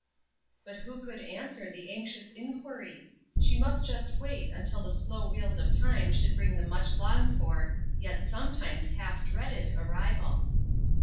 But who could answer the anxious inquiry? She must just wait until the slow wheels of time should bring the much longed for, yet sometimes half dreaded arrival.